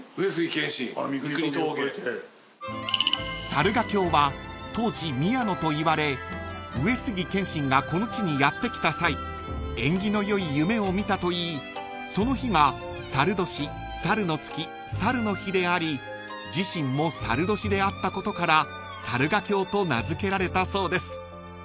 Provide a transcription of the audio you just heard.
［猿ヶ京は当時宮野といわれ上杉謙信がこの地にやって来た際縁起の良い夢を見たといいその日が申年申の月申の日であり自身も申年であったことから猿ヶ京と名付けられたそうです］